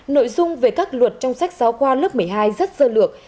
nội dung về các luật trong sách giáo khoa lớp một mươi hai rất sơ lược